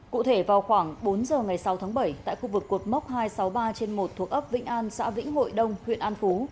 cụ thể vào khoảng bốn giờ ngày sáu tháng bảy tại khu vực cột mốc hai trăm sáu mươi ba trên một thuộc ấp vĩnh an xã vĩnh hội đông huyện an phú